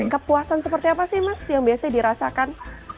kepuasan seperti apa sih mas yang biasanya dirasakan